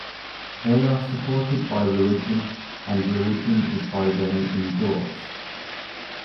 They are supported by religion; and religion is by them endorsed.